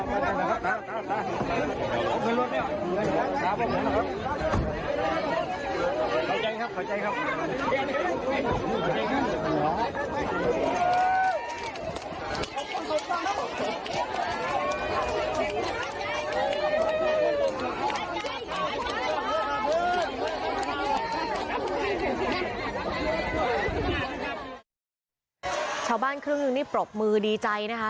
ชาวบ้านครึ่งหนึ่งนี่ปรบมือดีใจนะคะ